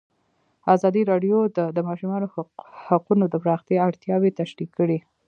ازادي راډیو د د ماشومانو حقونه د پراختیا اړتیاوې تشریح کړي.